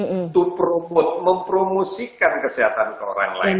untuk mempromosikan kesehatan ke orang lain